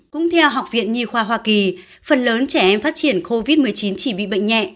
cũng theo học viện nhi khoa hoa kỳ phần lớn trẻ em phát triển covid một mươi chín chỉ bị bệnh nhẹ